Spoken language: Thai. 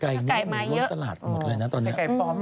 ไข่ไก่ไม่ล้นตลาดหมดเลยนะตอนนี้ไก่ไก่มาเยอะ